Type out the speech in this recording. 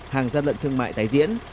hàng gian lận thương mại tái diễn